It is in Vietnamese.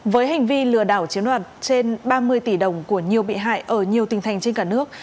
với hành vi lừa đảo chiếm đoạt trên ba mươi tỷ đồng của nhiều bị hại ở nhiều tỉnh thành trên cả nước